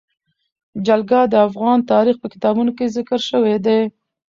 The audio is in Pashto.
جلګه د افغان تاریخ په کتابونو کې ذکر شوی دي.